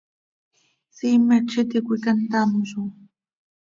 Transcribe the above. ¿Siimet z iti cöica ntamzo?